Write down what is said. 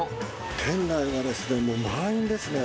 店内はもう満員ですね。